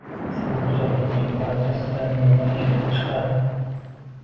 Ushbu kuzatuvlarning barchasidan nima kelib chiqadi?